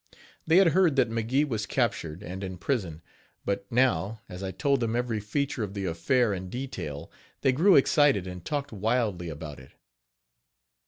They had heard that McGee was captured and in prison; but, now, as I told them every feature of the affair in detail, they grew excited and talked wildly about it.